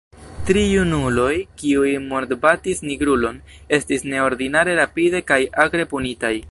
Tri junuloj, kiuj mortbatis nigrulon, estis neordinare rapide kaj akre punitaj.